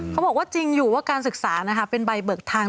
เขาบอกว่าจริงอยู่ว่าการศึกษานะคะเป็นใบเบิกทาง